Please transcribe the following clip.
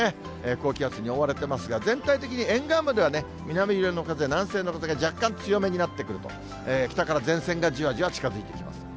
高気圧に覆われてますが、全体的に沿岸部では南よりの風、南西の風が若干強めになってくると、北から前線がじわじわ近づいてきます。